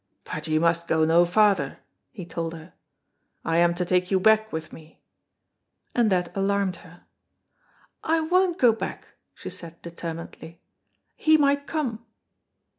"But you must go no farther," he told her, "I am to take you back with me," and that alarmed her. "I won't go back," she said, determinedly, "he might come."